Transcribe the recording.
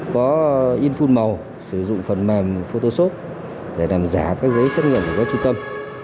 có in full màu sử dụng phần mềm photoshop để làm giả các giấy xét nghiệm của các trung tâm